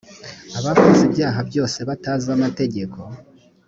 abakoze ibyaha bose batazi amategeko